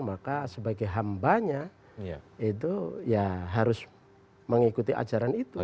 maka sebagai hambanya itu ya harus mengikuti ajaran itu